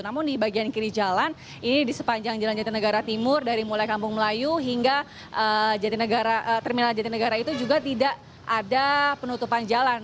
namun di bagian kiri jalan ini di sepanjang jalan jatinegara timur dari mulai kampung melayu hingga terminal jatinegara itu juga tidak ada penutupan jalan